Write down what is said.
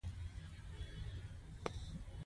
حسن وویل زولنې جنګي کلا ته ژر راولېږه.